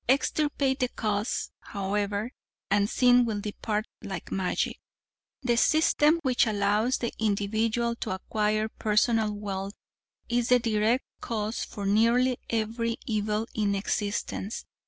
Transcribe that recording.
Extirpate the cause, however, and sin will depart like magic. "The system which allows the individual to acquire personal wealth is the direct cause for nearly every evil in existence.